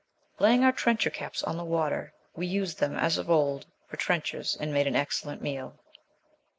Laying our trencher caps on the water, we used them, as of old, for trenchers, and made an excellent meal.